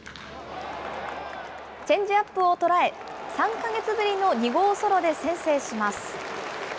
チェンジアップを捉え、３か月ぶりの２号ソロで先制します。